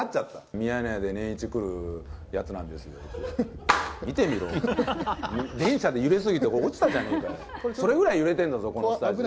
ミヤネ屋で年一来るやつなんですよって、見てみろ、電車で揺れすぎて落ちたじゃないか、それぐらい揺れてんだぞ、このスタジオ。